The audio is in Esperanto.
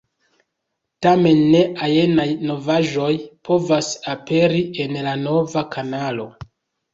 Tamen, ne ajnaj novaĵoj povas aperi en la nova kanalo.